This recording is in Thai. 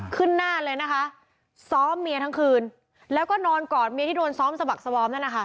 ขึ้นหน้าเลยนะคะซ้อมเมียทั้งคืนแล้วก็นอนกอดเมียที่โดนซ้อมสะบักสวอมนั่นนะคะ